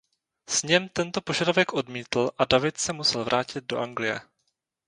Sněm tento požadavek odmítl a David se musel vrátit do Anglie.